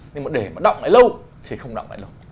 nhưng mà để mà động lại lâu thì không động lại luôn